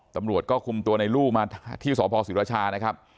ตำรวจก็คุมตัวในรู่มาที่สหพสิรชา